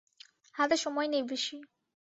হাতে সময় নেই বেশি।